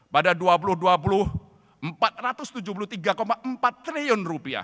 pada rp dua puluh empat ratus tujuh puluh tiga empat triliun